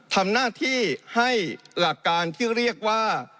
ทำหน้าที่ให้หลักการที่เรียกว่า